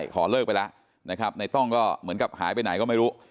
ขอเลิกไปแล้วนะครับในต้องก็เหมือนกับหายไปไหนก็ไม่รู้